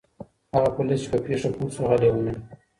هغه پولیس چي په پېښه پوه سو غل یې ونیو.